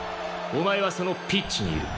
お前はそのピッチにいる。